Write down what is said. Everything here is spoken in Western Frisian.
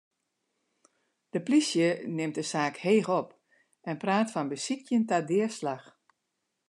De polysje nimt de saak heech op en praat fan besykjen ta deaslach.